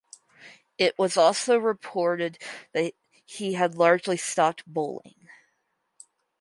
It was also reported that he had largely stopped bowling.